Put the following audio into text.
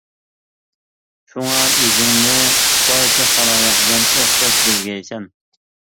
شۇڭا ئۆزۈڭنى بارچە خالايىق بىلەن ئوخشاش بىلگەيسەن.